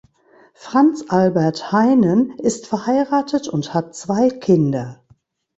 Franz Albert Heinen ist verheiratet und hat zwei Kinder.